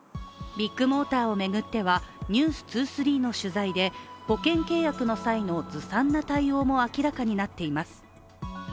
ビッグモーターを巡っては「ｎｅｗｓ２３」の取材で、保険契約の際のずさんな対応も明らかになっています。